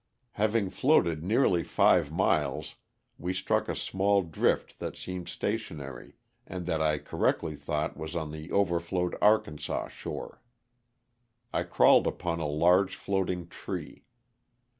Having floated nearly five miles we struck a small drift that seemed stationary, and that I correctly thought was on the overflowed Arkansas shore. I crawled upon a large floating tree.